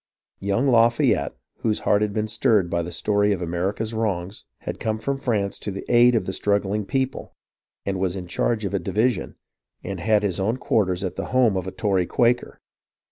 Young Lafayette, whose heart had been stirred by the story of America's wrongs, had come from France to the aid of the struggling people, and was in charge of a division, and had his own quarters at the home of a Tory Quaker.